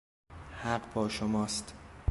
حق با شماست.